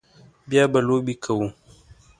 بیا به لوبې کوو